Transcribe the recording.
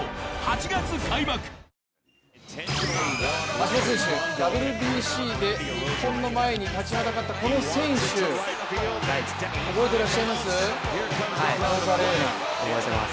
橋本選手、ＷＢＣで日本の前に立ちはだかったこの選手、覚えてらっしゃいます？